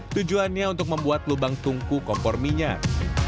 tujuannya untuk membuat lubang tungku kompor minyak